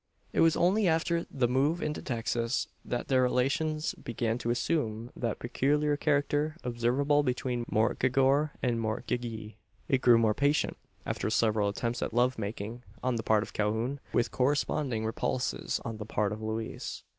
It was only after the move into Texas, that their relations began to assume that peculiar character observable between mortgagor and mortgagee. It grew more patent, after several attempts at love making on the part of Calhoun, with corresponding repulses on the part of Louise.